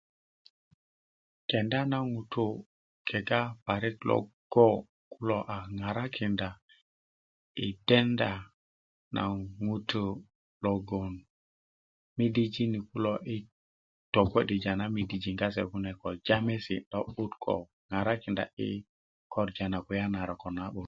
kenda na ŋutú kega parik logo kuló a ŋarakindá i dendá na ŋutu logoŋ midijin ni kulo i togbodijaja na midijin kase kune ko jamesi lo'but ko ŋarakinda i korja na kulya na rok kó na'but